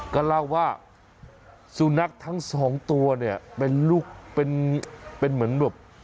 ก็เล่าว่าสุนัขทั้งสองตัวเนี่ยเป็นลูกเป็นเหมือนแบบ